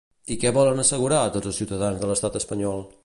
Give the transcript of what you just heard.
I què volen assegurar a tots els ciutadans de l'estat espanyol?